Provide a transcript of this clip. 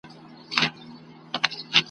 دجهان پر مخ ځليږي ..